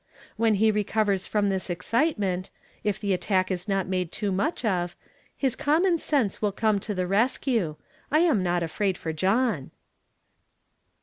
When he recovers from this 210 YESTERDAY FRAMED IN TO DAY. excitement — if the attack is not made too much of — his common sense will come to the rescue. I am not afraid for John."